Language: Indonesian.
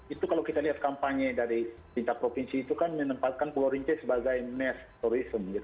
itu kalau kita lihat kampanye dari tingkat provinsi itu kan menempatkan pulau rinca sebagai mass tourism